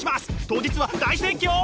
当日は大盛況！